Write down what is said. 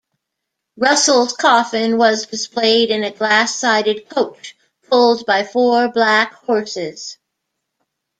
Russell's coffin was displayed in a glass sided coach, pulled by four black horses.